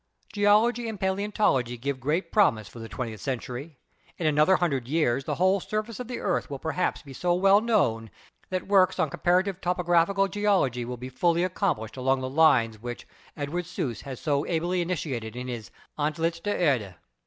Geology and paleontology give great promise for the twentieth century. In another hundred years the whole surface of the earth will perhaps be so well known, that works on comparative topographical geology will be fully accomplished along the lines which Eduard Suess has so ably initiated in his "Antlitz der Erde."